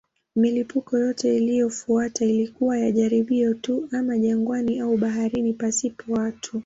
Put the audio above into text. Milipuko yote iliyofuata ilikuwa ya jaribio tu, ama jangwani au baharini pasipo watu.